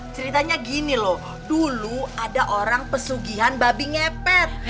ceritanya gini loh dulu ada orang pesugihan babi ngepet